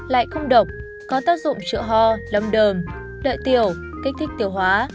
lại không độc có tác dụng chữa ho lâm đờm đợi tiểu kích thích tiểu hóa